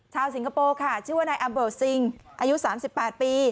ชาวสิงคโปรค่ะชื่อว่าในอัมเบิลซิงอายุสามสิบปาทปี